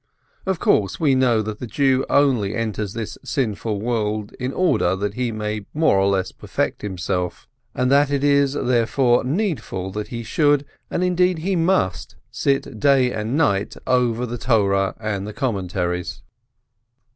Of course, we know that the Jew only enters this sinful world in order that he may more or less perfect himself, and that it is therefore needful he should, and, indeed, he must, sit day and night over the Torah and the Commentaries.